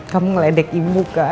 kamu ngeledek ibu kan